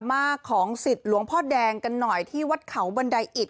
มากของสิทธิ์หลวงพ่อแดงกันหน่อยที่วัดเขาบันไดอิต